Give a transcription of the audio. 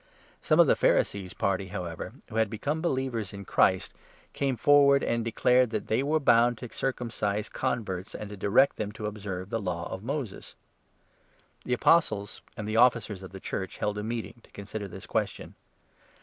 Some of the Pharisees' party, however, who 5 had become believers in Christ, came forward and declared that they were bound to circumcise converts and to direct them to observe the Law of Moses. The Apostles and the Officers of the Church held a meeting 6 to consider this question.